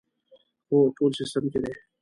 هو، ټول سیسټم کې دي